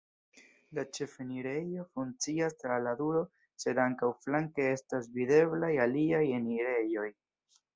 La ĉefenirejo funkcias tra la turo, sed ankaŭ flanke estas videblaj aliaj enirejoj.